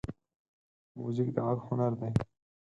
موزیک د غږ هنر دی.